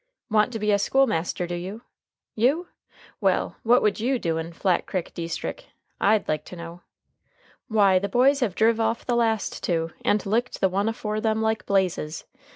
"Want to be a school master, do you? You? Well, what would you do in Flat Crick deestrick, I'd like to know? Why, the boys have driv off the last two, and licked the one afore them like blazes.